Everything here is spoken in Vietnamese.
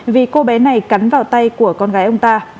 vì cô bé này cắn vào tay của con gái ông ta